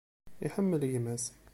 Iḥemmel gma-s.